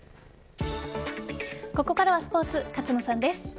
ここからはスポーツ勝野さんです。